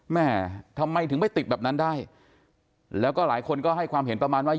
แม่ทำไมถึงไม่ติดแบบนั้นได้แล้วก็หลายคนก็ให้ความเห็นประมาณว่า